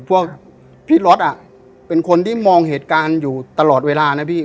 พวกพี่รถเป็นคนที่มองเหตุการณ์อยู่ตลอดเวลานะพี่